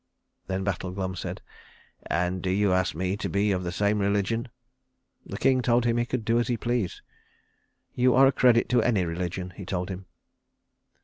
Then Battle Glum said, "And do you ask me to be of the same religion?" The king told him he could do as he pleased. "You are a credit to any religion," he told him.